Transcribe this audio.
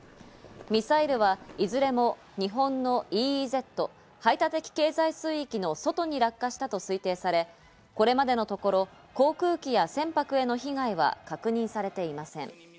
ミサイルはいずれも日本のＥＥＺ＝排他的経済水域の外に落下したと推定され、これまでのところ航空機や船舶への被害は確認されていません。